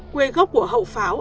quê gốc của hậu pháo ở huyện viễn